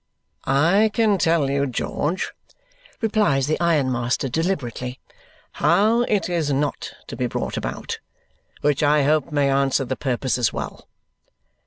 "I can tell you, George," replies the ironmaster deliberately, "how it is not to be brought about, which I hope may answer the purpose as well.